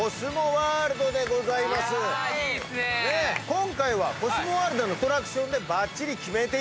今回はコスモワールドのアトラクションでバッチリキメていただくと。